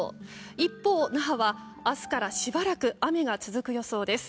一方、那覇は明日からしばらく雨が続く予想です。